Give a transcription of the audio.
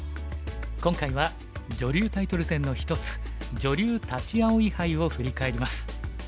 今回は女流タイトル戦の一つ女流立葵杯を振り返ります。